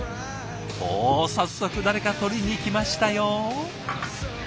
お早速誰か取りに来ましたよ。